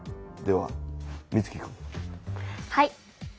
はい。